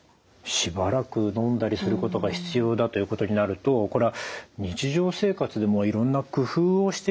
しばらくのんだりすることが必要だということになるとこれは日常生活でもいろんな工夫をしていかなきゃいけないですかね。